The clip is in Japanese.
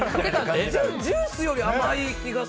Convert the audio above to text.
ジュースより甘い気がする。